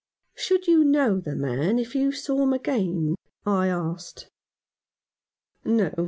" Should you know the man if you saw him again ?" I asked. " No.